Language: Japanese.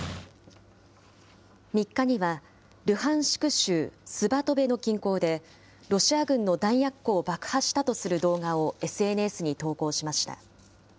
３日にはルハンシク州スバトベの近郊で、ロシア軍の弾薬庫を爆破したとする動画をＳＮＳに投稿しました。